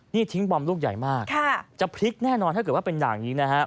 นี่ทิ้งบอมลูกใหญ่มากจะพลิกแน่นอนถ้าเกิดว่าเป็นอย่างนี้นะฮะ